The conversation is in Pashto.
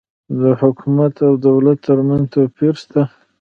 د حکومت او دولت ترمنځ توپیر سته